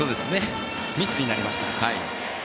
ミスになりました。